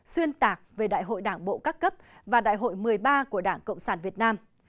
xuyên tạc về đại hội đảng bộ các cấp và đại hội một mươi ba của đảng cộng sản việt nam